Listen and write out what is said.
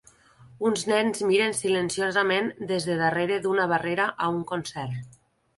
Uns nens miren silenciosament des de darrere d'una barrera a un concert.